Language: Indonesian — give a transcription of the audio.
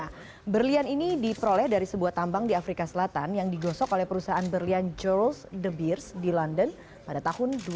nah berlian ini diperoleh dari sebuah tambang di afrika selatan yang digosok oleh perusahaan berlian george the beers di london pada tahun dua ribu